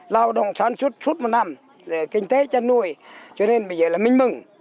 lao động sản xuất suốt một năm kinh tế chăn nuôi cho nên bây giờ là minh mừng